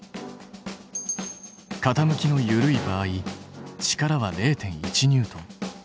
傾きの緩い場合力は０．１ニュートン。